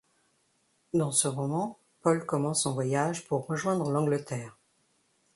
Dans ce roman, Paul commence son voyage pour rejoindre l'Angleterre.